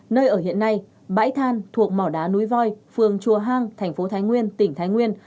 nơi ở hiện nay bãi than thuộc mỏ đá núi voi phường chùa hang thành phố thái nguyên tỉnh thái nguyên